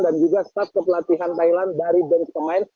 dan juga staf kepelatihan thailand dari bench pemain